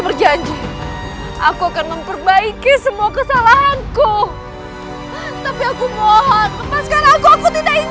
berjanji aku akan memperbaiki semua kesalahanku tapi aku mohon aku tidak